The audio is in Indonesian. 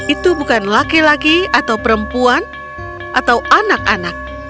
itu bukan laki laki atau perempuan atau anak anak